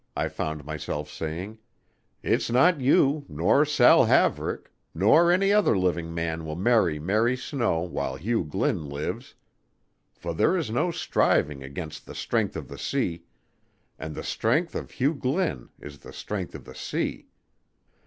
I found myself saying "it's not you, nor Saul Haverick, nor any other living man will marry Mary Snow while Hugh Glynn lives, for there is no striving against the strength of the sea, and the strength of Hugh Glynn is the strength of the sea."